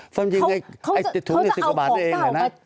คือจริงไอ้ถุงนี้๑๐กว่าบาทได้เองเลยนะ